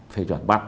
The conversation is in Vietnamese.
phê chuẩn bắt